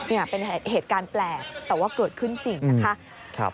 นี่เป็นเหตุการณ์แปลกแต่ว่าเกิดขึ้นจริงนะคะ